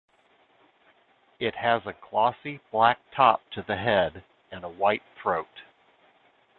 It has a glossy black top to the head and a white throat.